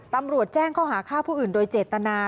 ตำรวจแจ้งข้อหาฆ่าผู้อื่นโดยเจตนา